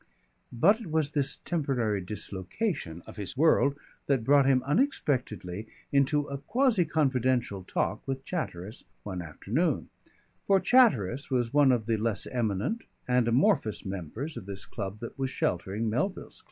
But it was this temporary dislocation of his world that brought him unexpectedly into a quasi confidential talk with Chatteris one afternoon, for Chatteris was one of the less eminent and amorphous members of this club that was sheltering Melville's club.